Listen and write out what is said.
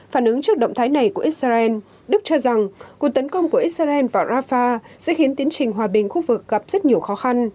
phản ứng trước động thái này của israel đức cho rằng cuộc tấn công của israel vào rafah sẽ khiến tiến trình hòa bình khu vực gặp rất nhiều khó khăn